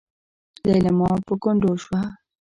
ليلما په ګونډو شوه.